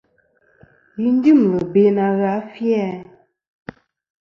Yi dyɨmlɨ be na gha a fi-æ ?